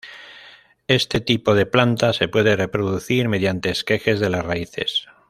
Este tipo de planta se puede reproducir mediante esqueje de las raíces.